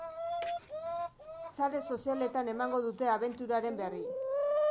Sare sozialetan emango dute abenturaren berri.